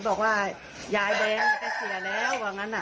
บอกว่าย้ายแดงเขาเสียแล้วหรืออย่างนั้น